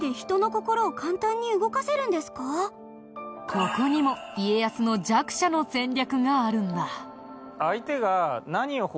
ここにも家康の弱者の戦略があるんだ。